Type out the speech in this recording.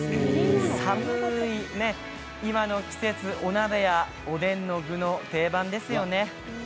寒い今の季節、お鍋やおでんの具の定番ですよね。